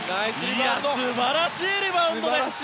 素晴らしいリバウンドでした。